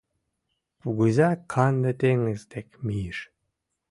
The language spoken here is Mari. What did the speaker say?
Кугыза канде теҥыз дек мийыш